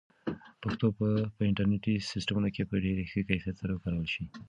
پښتو به په انټرنیټي سیسټمونو کې په ډېر ښه کیفیت سره وکارول شي.